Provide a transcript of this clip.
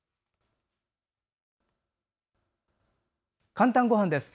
「かんたんごはん」です。